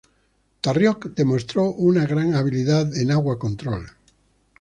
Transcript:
Tarrlok demostró una gran habilidad en Agua Control.